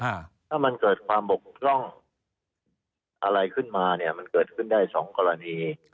ถ้ามันเกิดความบกพร่องอะไรขึ้นมาเนี่ยมันเกิดขึ้นได้สองกรณี